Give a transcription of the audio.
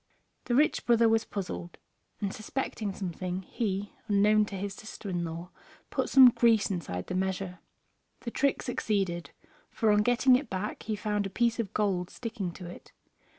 The rich brother was puzzled, and suspecting something he, unknown to his sister in law, put some grease inside the measure. The trick succeeded, for on getting it back he found a piece of gold sticking to it.